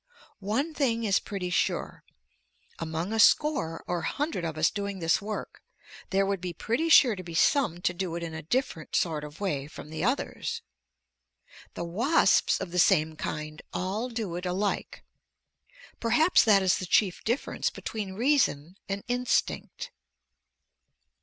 One thing is pretty sure. Among a score or hundred of us doing this work, there would be pretty sure to be some to do it in a different sort of way from the others. The wasps of the same kind all do it alike. Perhaps that is the chief difference between reason and instinct.